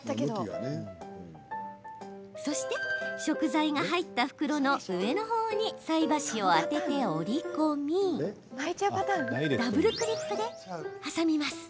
そして食材が入った袋の上のほうに菜箸を当てて折り込みダブルクリップで挟みます。